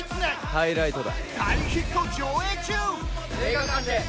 ハイライトだ。